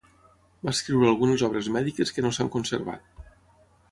Va escriure algunes obres mèdiques que no s'han conservat.